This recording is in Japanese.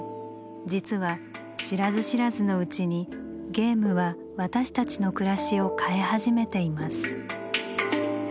実は知らず知らずのうちにゲームは私たちの暮らしを変え始めています。